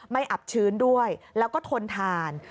อับชื้นด้วยแล้วก็ทนทาน